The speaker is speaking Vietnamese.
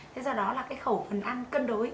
thế do đó là cái khẩu phần ăn cân đối